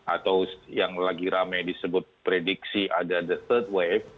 atau yang lagi rame disebut prediksi ada the third wave